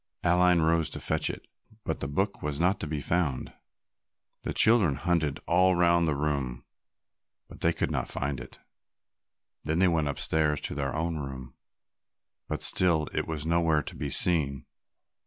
Aline rose to fetch it, but the book was not to be found. The children hunted all round the room, but they could not find it. They then went upstairs to their own room, but still it was nowhere to be seen.